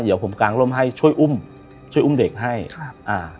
เดี๋ยวผมกางร่มให้ช่วยอุ้มช่วยอุ้มเด็กให้ครับอ่า